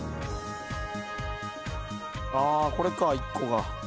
あこれか１個が。